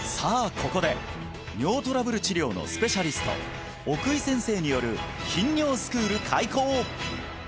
ここで尿トラブル治療のスペシャリスト奥井先生による頻尿スクール開講！